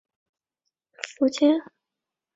福建邵武人。